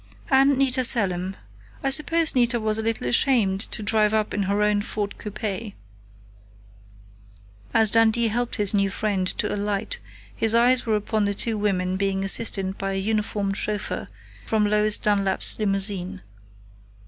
"And Nita Selim. I suppose Nita was a little ashamed to drive up in her own Ford coupe." As Dundee helped his new friend to alight his eyes were upon the two women being assisted by a uniformed chauffeur from Lois Dunlap's limousine.